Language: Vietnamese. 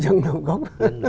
dân nằm gốc